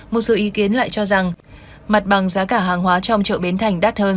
một số ý kiến lại cho rằng mặt bằng giá cả hàng hóa trong chợ bến thành đắt hơn